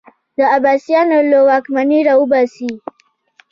د عباسیانو له واکمني راوباسي